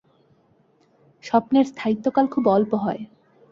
স্বপ্নের স্থায়িত্বকাল খুব অল্প হয়।